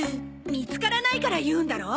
見つからないから言うんだろ！